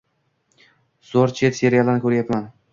Zo‘r chet serialini ko‘ryapman.